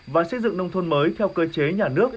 và xây dựng nông thôn mới theo cơ chế nhà nước